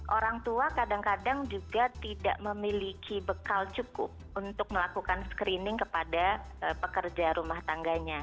orang tua kadang kadang juga tidak memiliki bekal cukup untuk melakukan screening kepada pekerja rumah tangganya